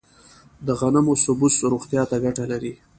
د غنمو سبوس روغتیا ته ګټه لري.